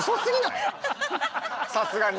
さすがに。